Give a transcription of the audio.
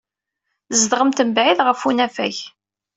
Tzedɣemt mebɛid ɣef unafag.